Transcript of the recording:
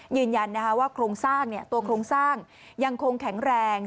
ยืนยันว่าตัวโครงสร้างยังคงแข็งแรง